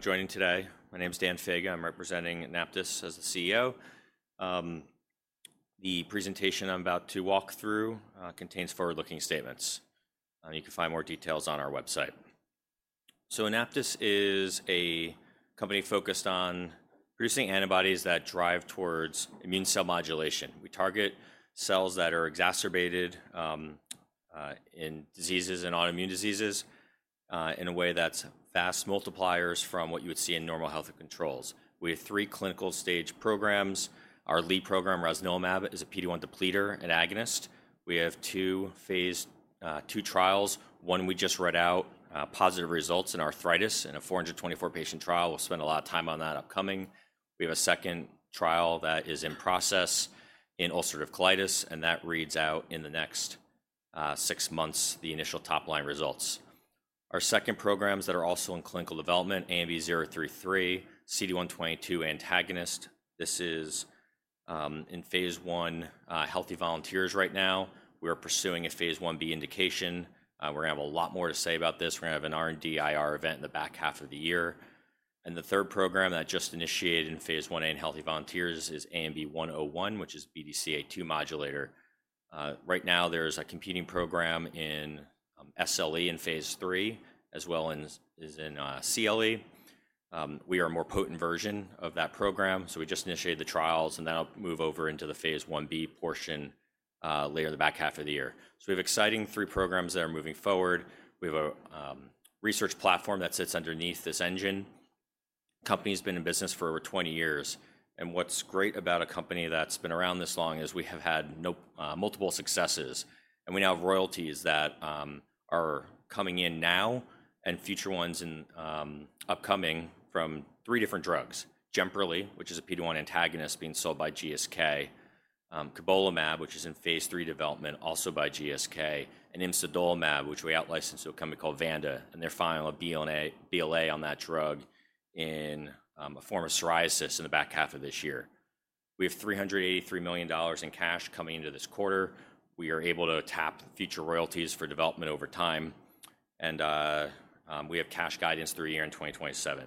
Joining today. My name is Dan Faga. I'm representing AnaptysBio as the CEO. The presentation I'm about to walk through contains forward-looking statements. You can find more details on our website. AnaptysBio is a company focused on producing antibodies that drive towards immune cell modulation. We target cells that are exacerbated in autoimmune diseases in a way that's fast multipliers from what you would see in normal health controls. We have three clinical stage programs. Our lead program, ResNomab, is a PD-1 depleter and agonist. We have two trials. One we just read out positive results in arthritis in a 424-patient trial. We'll spend a lot of time on that upcoming. We have a second trial that is in process in ulcerative colitis, and that reads out in the next six months the initial top-line results. Our second programs that are also in clinical development, AMV033, CD122 antagonist. This is in phase I healthy volunteers right now. We are pursuing a phase IB indication. We're going to have a lot more to say about this. We're going to have an R&D/IR event in the back half of the year. The third program that just initiated in phase IA in healthy volunteers is AMV101, which is a BDCA2 modulator. Right now, there's a competing program in SLE in phase III, as well as in CLE. We are a more potent version of that program. We just initiated the trials, and that'll move over into the phase IB portion later in the back half of the year. We have exciting three programs that are moving forward. We have a research platform that sits underneath this engine. The company has been in business for over 20 years. What's great about a company that's been around this long is we have had multiple successes. We now have royalties that are coming in now and future ones upcoming from three different drugs: Gemprali, which is a PD-1 antagonist being sold by GSK; Cobalamab, which is in phase three development, also by GSK; and Imsudolamab, which we outlicensed to a company called Vanda. They're filing a BLA on that drug in a form of psoriasis in the back half of this year. We have $383 million in cash coming into this quarter. We are able to tap future royalties for development over time. We have cash guidance through year 2027.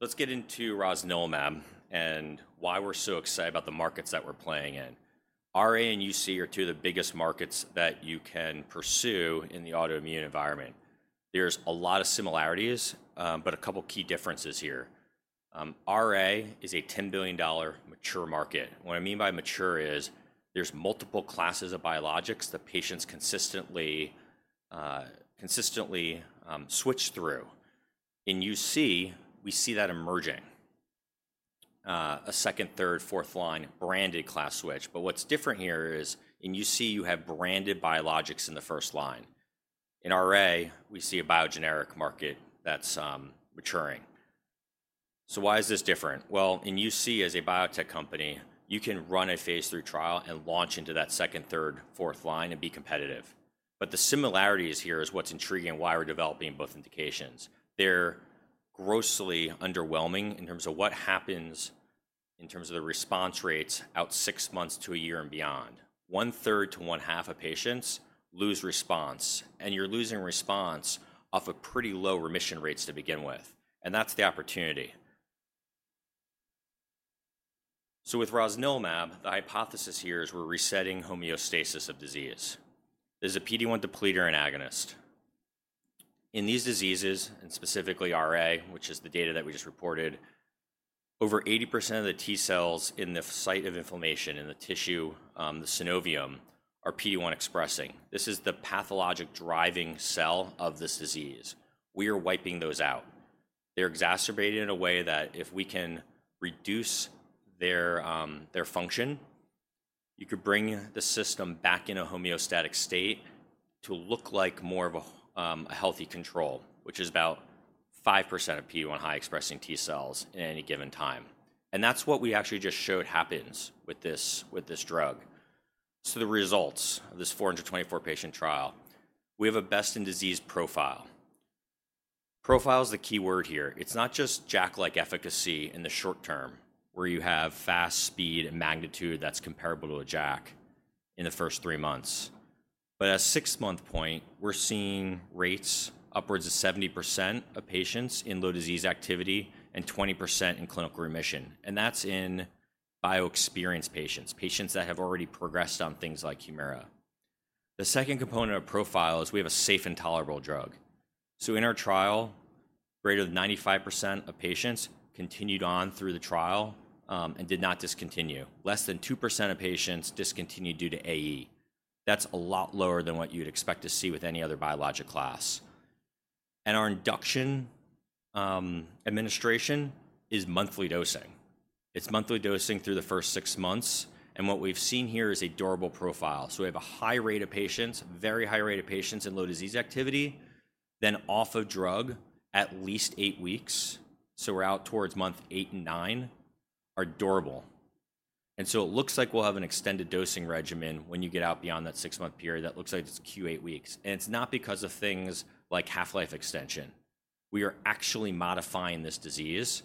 Let's get into ResNomab and why we're so excited about the markets that we're playing in. RA and UC are two of the biggest markets that you can pursue in the autoimmune environment. There's a lot of similarities, but a couple of key differences here. RA is a $10 billion mature market. What I mean by mature is there's multiple classes of biologics that patients consistently switch through. In UC, we see that emerging: a second, third, fourth-line, branded class switch. What's different here is in UC, you have branded biologics in the first line. In RA, we see a biogenic market that's maturing. Why is this different? In UC, as a biotech company, you can run a phase three trial and launch into that second, third, fourth line and be competitive. The similarities here is what's intriguing and why we're developing both indications. They're grossly underwhelming in terms of what happens in terms of the response rates out six months to a year and beyond. One-third to one-half of patients lose response. You're losing response off of pretty low remission rates to begin with. That's the opportunity. With ResNomab, the hypothesis here is we're resetting homeostasis of disease. This is a PD-1 depleter and agonist. In these diseases, and specifically RA, which is the data that we just reported, over 80% of the T cells in the site of inflammation in the tissue, the synovium, are PD-1 expressing. This is the pathologic driving cell of this disease. We are wiping those out. They're exacerbated in a way that if we can reduce their function, you could bring the system back in a homeostatic state to look like more of a healthy control, which is about 5% of PD-1 high-expressing T cells at any given time. That's what we actually just showed happens with this drug. The results of this 424-patient trial, we have a best-in-disease profile. Profile is the key word here. It's not just JAK-like efficacy in the short term, where you have fast speed and magnitude that's comparable to a JAK in the first three months. At a six-month point, we're seeing rates upwards of 70% of patients in low disease activity and 20% in clinical remission. That's in bioexperienced patients, patients that have already progressed on things like Humira. The second component of profile is we have a safe and tolerable drug. In our trial, greater than 95% of patients continued on through the trial and did not discontinue. Less than 2% of patients discontinued due to AE. That's a lot lower than what you'd expect to see with any other biologic class. Our induction administration is monthly dosing. It's monthly dosing through the first six months. What we've seen here is a durable profile. We have a high rate of patients, very high rate of patients in low disease activity, then off of drug at least eight weeks. We are out towards month eight and nine are durable. It looks like we will have an extended dosing regimen when you get out beyond that six-month period. That looks like it is Q8 weeks. It is not because of things like half-life extension. We are actually modifying this disease.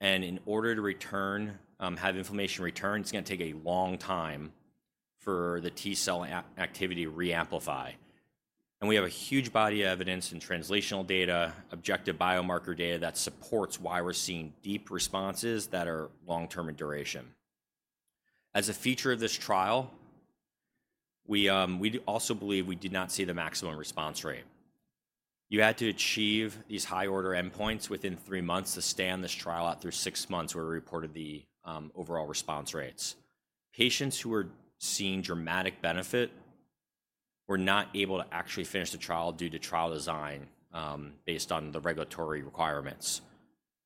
In order to have inflammation return, it is going to take a long time for the T cell activity to reamplify. We have a huge body of evidence and translational data, objective biomarker data that supports why we are seeing deep responses that are long-term in duration. As a feature of this trial, we also believe we did not see the maximum response rate. You had to achieve these high-order endpoints within three months to stand this trial out through six months where we reported the overall response rates. Patients who were seeing dramatic benefit were not able to actually finish the trial due to trial design based on the regulatory requirements.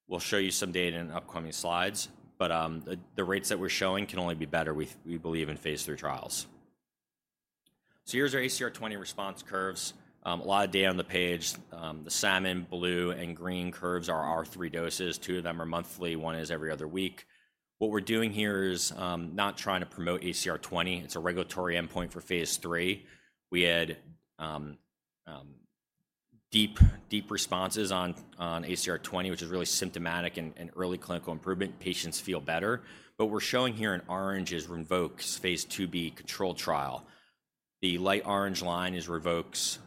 We'll show you some data in upcoming slides, but the rates that we're showing can only be better, we believe, in phase three trials. Here are our ACR20 response curves. A lot of data on the page. The salmon, blue, and green curves are our three doses. Two of them are monthly. One is every other week. What we're doing here is not trying to promote ACR20. It's a regulatory endpoint for phase three. We had deep responses on ACR20, which is really symptomatic and early clinical improvement. Patients feel better. What we're showing here in orange is Rinvoq's phase 2B control trial. The light orange line is Rinvoq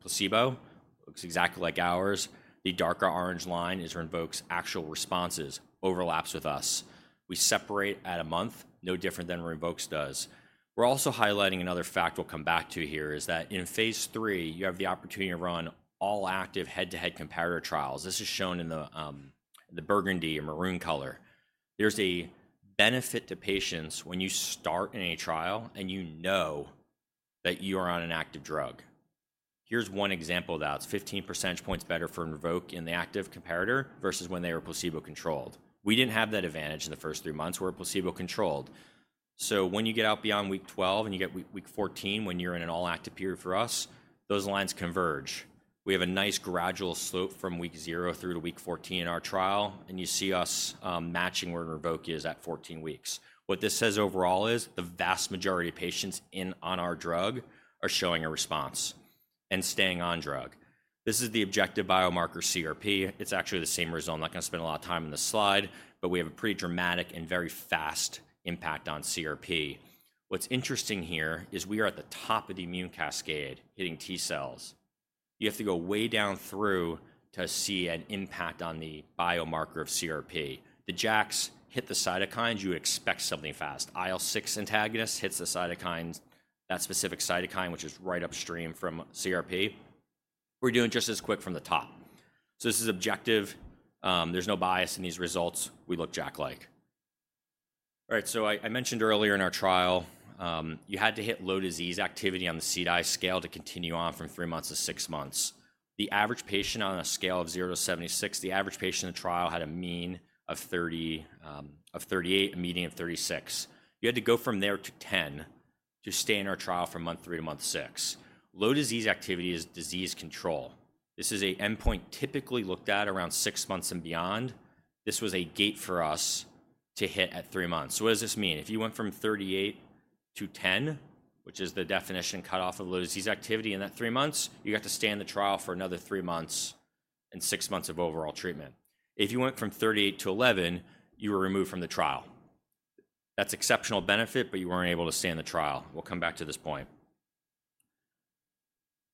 placebo. It looks exactly like ours. The darker orange line is Rinvoq actual responses overlaps with us. We separate at a month, no different than Rinvoq does. We're also highlighting another fact we'll come back to here is that in phase three, you have the opportunity to run all-active head-to-head comparator trials. This is shown in the burgundy or maroon color. There's a benefit to patients when you start in a trial and you know that you are on an active drug. Here's one example of that. It's 15 percentage points better for Rinvoq in the active comparator versus when they were placebo-controlled. We didn't have that advantage in the first three months. We were placebo-controlled. When you get out beyond week 12 and you get week 14, when you're in an all-active period for us, those lines converge. We have a nice gradual slope from week 0 through to week 14 in our trial. You see us matching where Rinvoq is at 14 weeks. What this says overall is the vast majority of patients in on our drug are showing a response and staying on drug. This is the objective biomarker CRP. It's actually the same result. I'm not going to spend a lot of time on this slide, but we have a pretty dramatic and very fast impact on CRP. What's interesting here is we are at the top of the immune cascade hitting T cells. You have to go way down through to see an impact on the biomarker of CRP. The JAKs hit the cytokines. You expect something fast. IL-6 antagonist hits the cytokines, that specific cytokine, which is right upstream from CRP. We're doing just as quick from the top. This is objective. There's no bias in these results. We look jack-like. All right. I mentioned earlier in our trial, you had to hit low disease activity on the CDAI scale to continue on from three months to six months. The average patient on a scale of 0 to 76, the average patient in the trial had a mean of 38, a median of 36. You had to go from there to 10 to stay in our trial from month three to month six. Low disease activity is disease control. This is an endpoint typically looked at around six months and beyond. This was a gate for us to hit at three months. What does this mean? If you went from 38 to 10, which is the definition cutoff of low disease activity in that three months, you have to stay in the trial for another three months and six months of overall treatment. If you went from 38 to 11, you were removed from the trial. That's exceptional benefit, but you weren't able to stay in the trial. We'll come back to this point.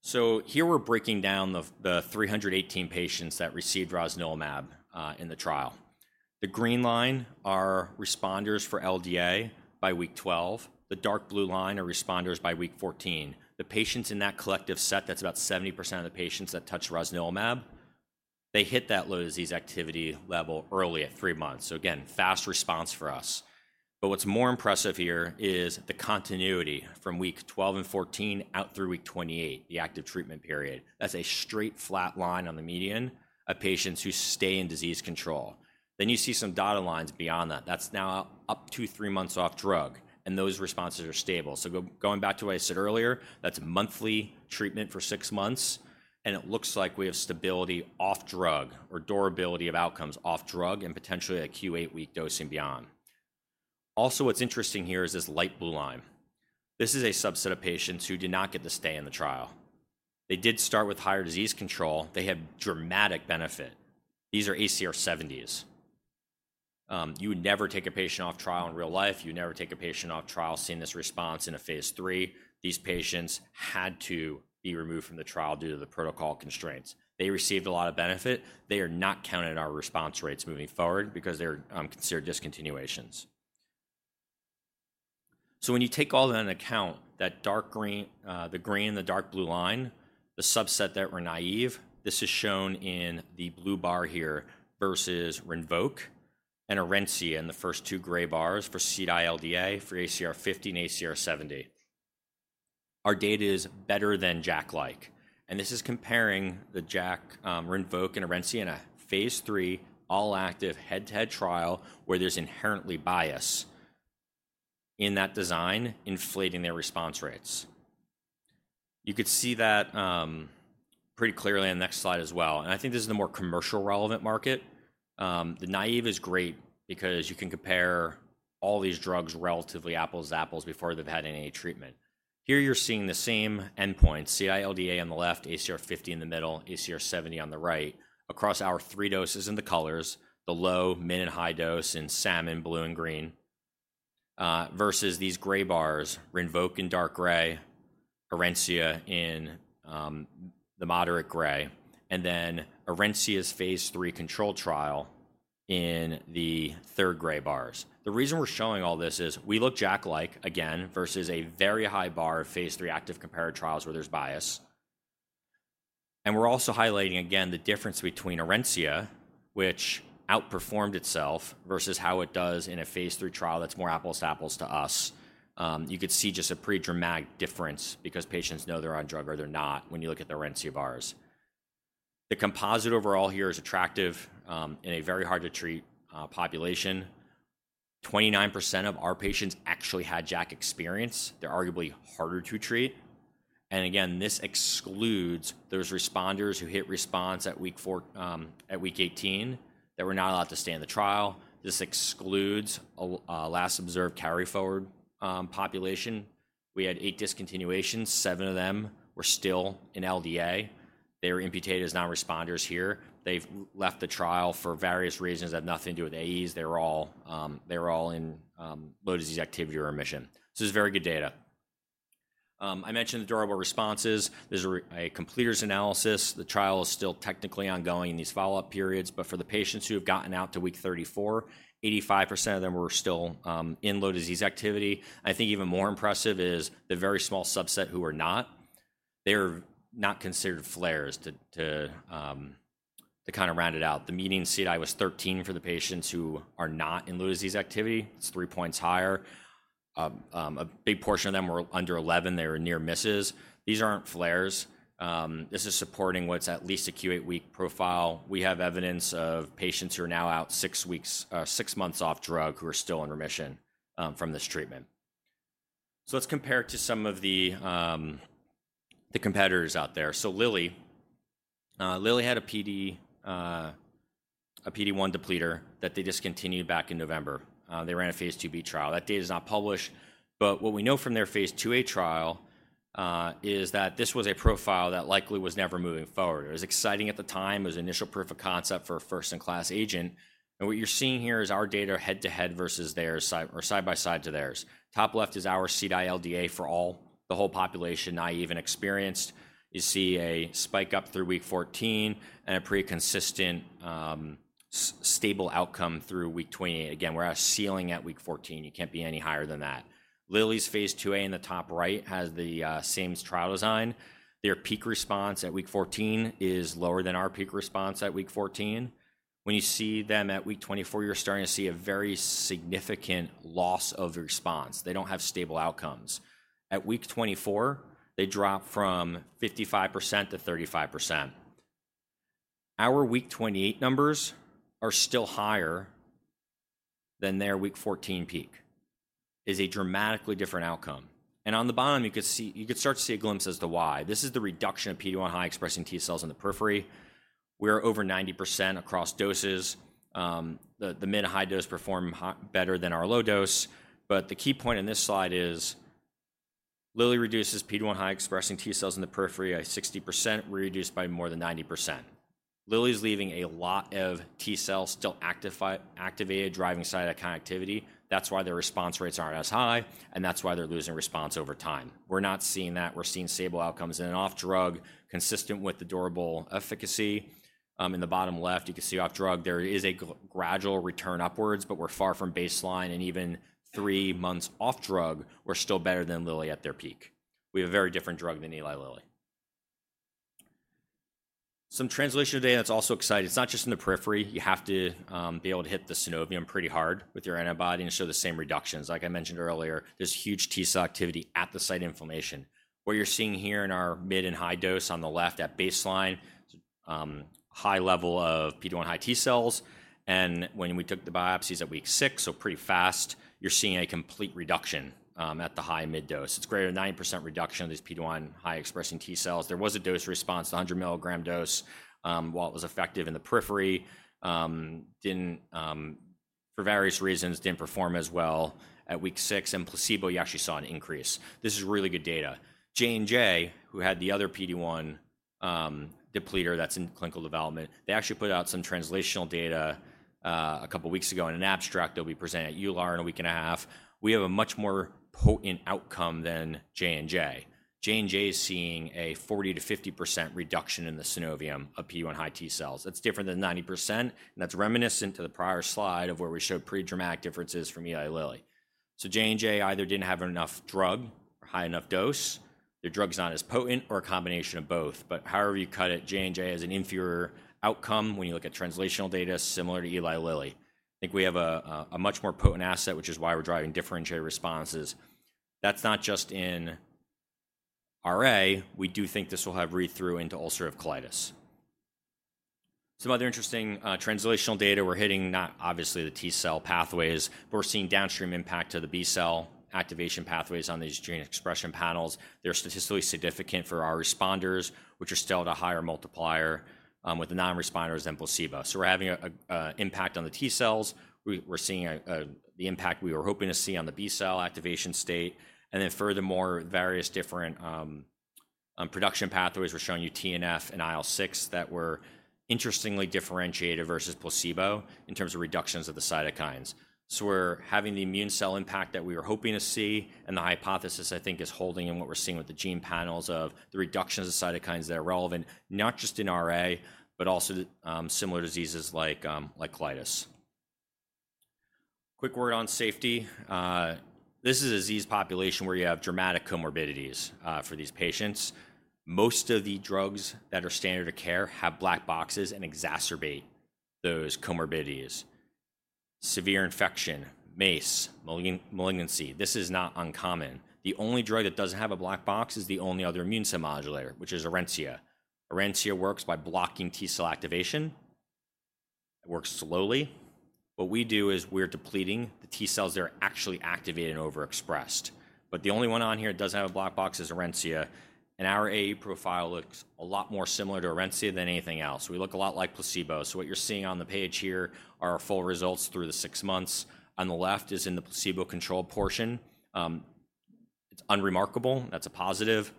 Here we're breaking down the 318 patients that received ResNomab in the trial. The green line are responders for LDA by week 12. The dark blue line are responders by week 14. The patients in that collective set, that's about 70% of the patients that touch ResNomab, they hit that low disease activity level early at three months. Again, fast response for us. What is more impressive here is the continuity from week 12 and 14 out through week 28, the active treatment period. That is a straight flat line on the median of patients who stay in disease control. You see some dotted lines beyond that. That is now up to three months off drug. Those responses are stable. Going back to what I said earlier, that is monthly treatment for six months. It looks like we have stability off drug or durability of outcomes off drug and potentially a Q8 week dosing beyond. Also, what is interesting here is this light blue line. This is a subset of patients who did not get to stay in the trial. They did start with higher disease control. They had dramatic benefit. These are ACR70s. You would never take a patient off trial in real life. You would never take a patient off trial seeing this response in a phase three. These patients had to be removed from the trial due to the protocol constraints. They received a lot of benefit. They are not counted in our response rates moving forward because they're considered discontinuations. When you take all that into account, that dark green, the green and the dark blue line, the subset that were naive, this is shown in the blue bar here versus Rinvoq and Orencia in the first two gray bars for CDAI LDA for ACR50 and ACR70. Our data is better than JAK-like. This is comparing the JAK Rinvoq and Orencia in a phase three all-active head-to-head trial where there's inherently bias in that design inflating their response rates. You could see that pretty clearly on the next slide as well. I think this is the more commercial relevant market. The naive is great because you can compare all these drugs relatively apples to apples before they've had any treatment. Here you're seeing the same endpoint, CDAI LDA on the left, ACR50 in the middle, ACR70 on the right across our three doses in the colors, the low, mid, and high dose in salmon, blue, and green versus these gray bars, Rinvoq in dark gray, Orencia in the moderate gray, and then Orencia's phase three control trial in the third gray bars. The reason we're showing all this is we look JAK-like again versus a very high bar of phase three active comparator trials where there's bias. We're also highlighting again the difference between Orencia, which outperformed itself versus how it does in a phase three trial that's more apples to apples to us. You could see just a pretty dramatic difference because patients know they're on drug or they're not when you look at the Orencia bars. The composite overall here is attractive in a very hard-to-treat population. 29% of our patients actually had JAK experience. They're arguably harder to treat. Again, this excludes those responders who hit response at week 18 that were not allowed to stay in the trial. This excludes last observed carry-forward population. We had eight discontinuations. Seven of them were still in LDA. They were imputed as non-responders here. They've left the trial for various reasons that have nothing to do with AEs. They were all in low disease activity or remission. This is very good data. I mentioned the durable responses. There's a completers analysis. The trial is still technically ongoing in these follow-up periods. For the patients who have gotten out to week 34, 85% of them were still in low disease activity. I think even more impressive is the very small subset who were not. They are not considered flares to kind of round it out. The median CDAI was 13 for the patients who are not in low disease activity. It's three points higher. A big portion of them were under 11. They were near misses. These aren't flares. This is supporting what's at least a Q8 week profile. We have evidence of patients who are now out six months off drug who are still in remission from this treatment. Let's compare it to some of the competitors out there. Lilly had a PD-1 depleter that they discontinued back in November. They ran a phase 2B trial. That data is not published. What we know from their phase 2A trial is that this was a profile that likely was never moving forward. It was exciting at the time. It was initial proof of concept for a first-in-class agent. What you're seeing here is our data head-to-head versus theirs or side by side to theirs. Top left is our CDAI LDA for all the whole population, naive and experienced. You see a spike up through week 14 and a pretty consistent stable outcome through week 28. Again, we're at a ceiling at week 14. You can't be any higher than that. Lilly's phase 2A in the top right has the same trial design. Their peak response at week 14 is lower than our peak response at week 14. When you see them at week 24, you're starting to see a very significant loss of response. They don't have stable outcomes. At week 24, they drop from 55% to 35%. Our week 28 numbers are still higher than their week 14 peak. It's a dramatically different outcome. On the bottom, you could start to see a glimpse as to why. This is the reduction of PD-1 high expressing T cells in the periphery. We are over 90% across doses. The mid and high dose perform better than our low dose. The key point in this slide is Lilly reduces PD-1 high expressing T cells in the periphery by 60%. We reduced by more than 90%. Lilly's leaving a lot of T cells still activated, driving cytokine activity. That's why their response rates aren't as high. That's why they're losing response over time. We're not seeing that. We're seeing stable outcomes in and off drug, consistent with the durable efficacy. In the bottom left, you can see off drug, there is a gradual return upwards, but we're far from baseline. Even three months off drug, we're still better than Lilly at their peak. We have a very different drug than Eli Lilly. Some translation data that's also exciting. It's not just in the periphery. You have to be able to hit the synovium pretty hard with your antibody and show the same reductions. Like I mentioned earlier, there's huge T cell activity at the site of inflammation. What you're seeing here in our mid and high dose on the left at baseline, high level of PD-1 high T cells. When we took the biopsies at week six, so pretty fast, you're seeing a complete reduction at the high mid dose. It's greater than 90% reduction of these PD-1 high expressing T cells. There was a dose response, a 100 milligram dose while it was effective in the periphery. For various reasons, did not perform as well at week six. In placebo, you actually saw an increase. This is really good data. J&J, who had the other PD-1 depleter that is in clinical development, they actually put out some translational data a couple of weeks ago in an abstract that we presented at EULAR in a week and a half. We have a much more potent outcome than J&J. J&J is seeing a 40-50% reduction in the synovium of PD-1 high T cells. That is different than 90%. That is reminiscent to the prior slide of where we showed pretty dramatic differences from Eli Lilly. J&J either did not have enough drug or high enough dose. Their drug is not as potent or a combination of both. you cut it, Johnson & Johnson has an inferior outcome when you look at translational data similar to Eli Lilly. I think we have a much more potent asset, which is why we're driving differentiated responses. That's not just in RA. We do think this will have read-through into ulcerative colitis. Some other interesting translational data we're hitting, not obviously the T cell pathways, but we're seeing downstream impact to the B cell activation pathways on these gene expression panels. They're statistically significant for our responders, which are still at a higher multiplier with the non-responders than placebo. We're having an impact on the T cells. We're seeing the impact we were hoping to see on the B cell activation state. Furthermore, various different production pathways were showing you TNF and IL-6 that were interestingly differentiated versus placebo in terms of reductions of the cytokines. We're having the immune cell impact that we were hoping to see. The hypothesis, I think, is holding in what we're seeing with the gene panels of the reductions of cytokines that are relevant, not just in RA, but also similar diseases like colitis. Quick word on safety. This is a disease population where you have dramatic comorbidities for these patients. Most of the drugs that are standard of care have black boxes and exacerbate those comorbidities. Severe infection, MACE, malignancy. This is not uncommon. The only drug that doesn't have a black box is the only other immune cell modulator, which is Orencia. Orencia works by blocking T cell activation. It works slowly. What we do is we're depleting the T cells that are actually activated and overexpressed. The only one on here that doesn't have a black box is Orencia. Our AE profile looks a lot more similar to Orencia than anything else. We look a lot like placebo. What you're seeing on the page here are our full results through the six months. On the left is in the placebo-controlled portion. It's unremarkable. That's a positive.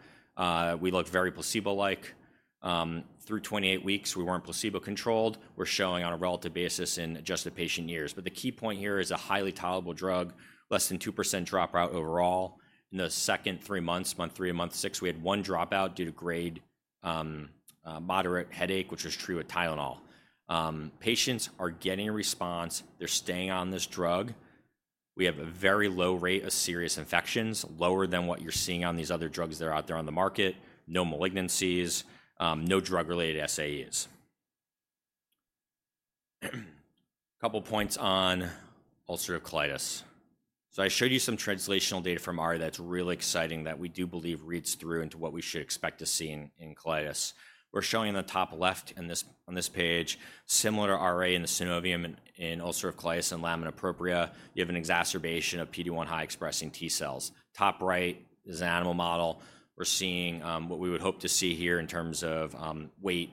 We look very placebo-like. Through 28 weeks, we weren't placebo-controlled. We're showing on a relative basis in adjusted patient years. The key point here is a highly tolerable drug, less than 2% dropout overall. In the second three months, month three, and month six, we had one dropout due to grade moderate headache, which was true with Tylenol. Patients are getting a response. They're staying on this drug. We have a very low rate of serious infections, lower than what you're seeing on these other drugs that are out there on the market. No malignancies. No drug-related SAEs. Couple of points on ulcerative colitis. I showed you some translational data from RA that's really exciting that we do believe reads through into what we should expect to see in colitis. We're showing on the top left on this page, similar to RA in the synovium, in ulcerative colitis and lamina propria, you have an exacerbation of PD-1 high expressing T cells. Top right is an animal model. We're seeing what we would hope to see here in terms of weight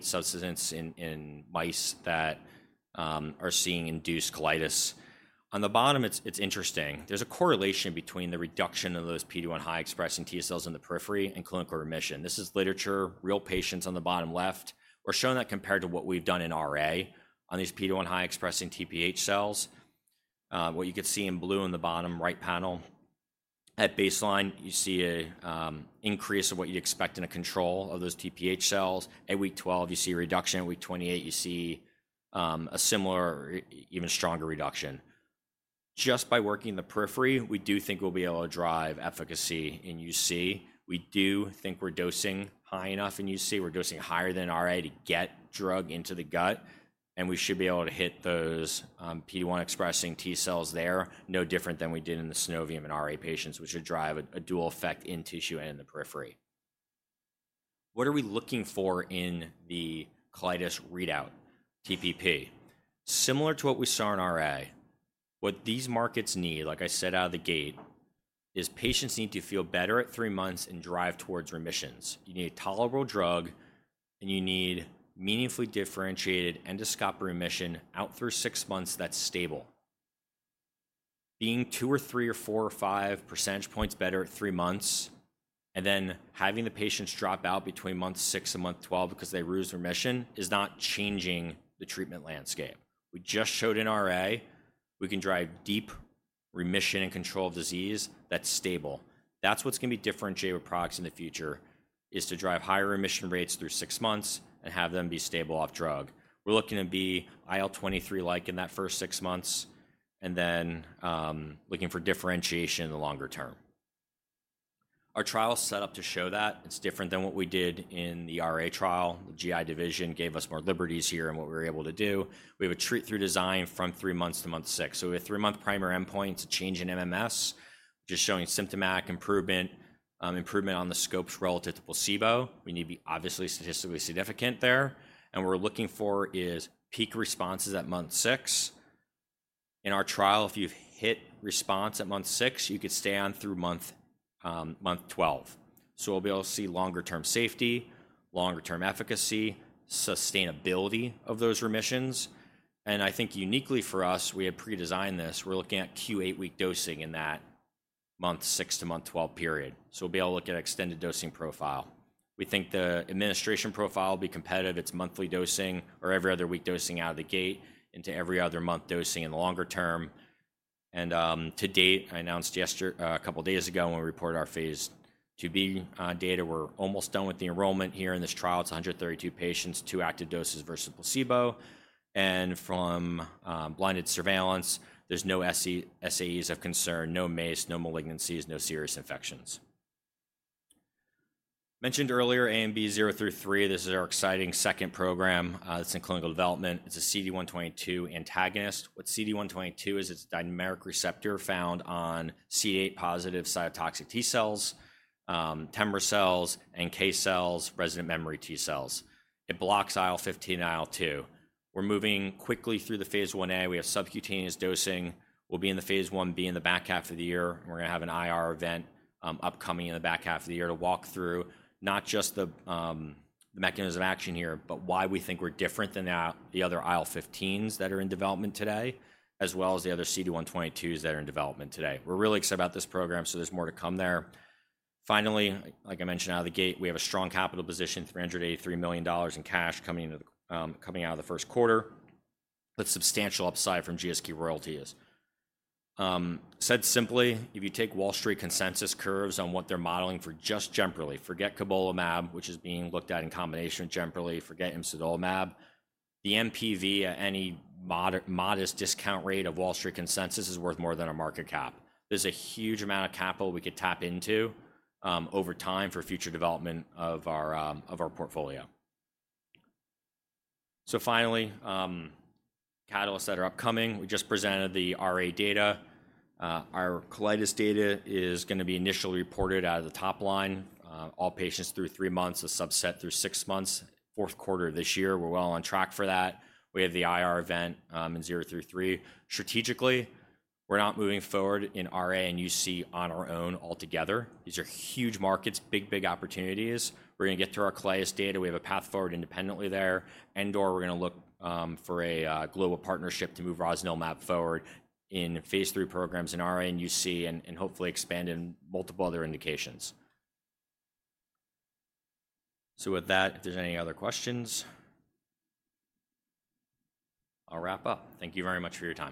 substances in mice that are seeing induced colitis. On the bottom, it's interesting. There's a correlation between the reduction of those PD-1 high expressing T cells in the periphery and clinical remission. This is literature, real patients on the bottom left. We're showing that compared to what we've done in RA on these PD-1 high expressing TPH cells. What you could see in blue in the bottom right panel, at baseline, you see an increase of what you expect in a control of those TPH cells. At week 12, you see a reduction. At week 28, you see a similar, even stronger reduction. Just by working the periphery, we do think we'll be able to drive efficacy in UC. We do think we're dosing high enough in UC. We're dosing higher than RA to get drug into the gut. We should be able to hit those PD-1 expressing T cells there, no different than we did in the synovium in RA patients, which would drive a dual effect in tissue and in the periphery. What are we looking for in the colitis readout, TPP? Similar to what we saw in RA, what these markets need, like I said out of the gate, is patients need to feel better at three months and drive towards remissions. You need a tolerable drug, and you need meaningfully differentiated endoscopic remission out through six months that's stable. Being two or three or four or five percentage points better at three months and then having the patients drop out between month six and month 12 because they lose remission is not changing the treatment landscape. We just showed in RA, we can drive deep remission and control of disease that's stable. That's what's going to be differentiated with products in the future, is to drive higher remission rates through six months and have them be stable off drug. We're looking to be IL-23-like in that first six months and then looking for differentiation in the longer term. Our trial is set up to show that. It's different than what we did in the RA trial. The GI division gave us more liberties here in what we were able to do. We have a treat-through design from three months to month six. We have three-month primary endpoints to change in MMS, just showing symptomatic improvement, improvement on the scopes relative to placebo. We need to be obviously statistically significant there. What we're looking for is peak responses at month six. In our trial, if you've hit response at month six, you could stay on through month 12. We'll be able to see longer-term safety, longer-term efficacy, sustainability of those remissions. I think uniquely for us, we had pre-designed this. We're looking at Q8 week dosing in that month six to month 12 period. We'll be able to look at extended dosing profile. We think the administration profile will be competitive. It's monthly dosing or every other week dosing out of the gate into every other month dosing in the longer term. To date, I announced a couple of days ago when we reported our phase 2B data, we're almost done with the enrollment here in this trial. It's 132 patients, two active doses versus placebo. From blinded surveillance, there's no SAEs of concern, no MACE, no malignancies, no serious infections. Mentioned earlier, ANB033, this is our exciting second program that's in clinical development. It's a CD122 antagonist. What CD122 is, it's a dynamic receptor found on CD8-positive cytotoxic T cells, Temra cells, and NK cells, resident memory T cells. It blocks IL-15 and IL-2. We're moving quickly through the phase 1A. We have subcutaneous dosing. We'll be in the phase 1B in the back half of the year. We're going to have an IR event upcoming in the back half of the year to walk through not just the mechanism of action here, but why we think we're different than the other IL-15s that are in development today, as well as the other CD122s that are in development today. We're really excited about this program, so there's more to come there. Finally, like I mentioned out of the gate, we have a strong capital position, $383 million in cash coming out of the first quarter, but substantial upside from GSK royalties. Said simply, if you take Wall Street consensus curves on what they're modeling for just Gemprali, forget Cobalamab, which is being looked at in combination with Gemprali, forget Imsudolamab. The MPV, at any modest discount rate of Wall Street consensus, is worth more than a market cap. There's a huge amount of capital we could tap into over time for future development of our portfolio. Finally, catalysts that are upcoming. We just presented the RA data. Our colitis data is going to be initially reported out of the top line. All patients through three months, a subset through six months, fourth quarter of this year. We're well on track for that. We have the IR event in 0 through 3. Strategically, we're not moving forward in RA and UC on our own altogether. These are huge markets, big, big opportunities. We're going to get through our colitis data. We have a path forward independently there. We are going to look for a global partnership to move rosnilimab forward in phase three programs in RA and UC and hopefully expand in multiple other indications. With that, if there are any other questions, I'll wrap up. Thank you very much for your time.